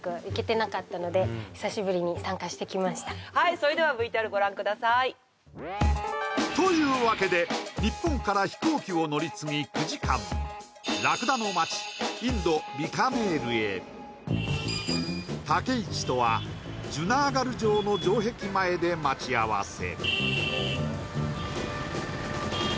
それではＶＴＲご覧くださいというわけで日本から飛行機を乗り継ぎ９時間ラクダの町インドビカネールへ武市とはジュナーガル城の城壁前で待ち合わせ